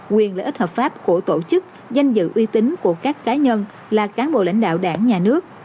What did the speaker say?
quyền lợi ích hợp pháp của tổ chức danh dự uy tín của các cá nhân là cán bộ lãnh đạo đảng nhà nước